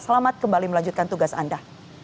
selamat kembali melanjutkan tugas anda